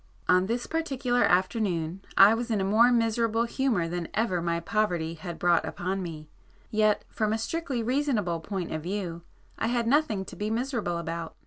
On this particular afternoon I was in a more miserable humour than ever my poverty had brought upon me, yet from a strictly reasonable point of view I had nothing to be miserable about.